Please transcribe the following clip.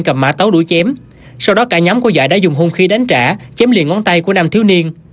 cầm mã tấu đuổi chém sau đó cả nhóm của giải đã dùng hung khí đánh trả chém liền ngón tay của nam thiếu niên